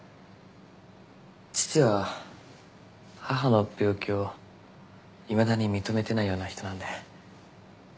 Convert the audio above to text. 父は母の病気をいまだに認めてないような人なんで。